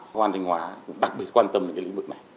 công an thanh hóa cũng đặc biệt quan tâm đến cái lĩnh vực này